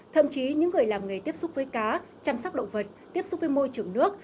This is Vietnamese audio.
thậm chí những người làm nghề tiếp xúc với cá chăm sóc động vật tiếp xúc với môi trường nước